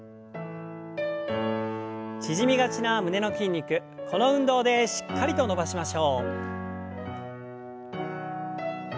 縮みがちな胸の筋肉この運動でしっかりと伸ばしましょう。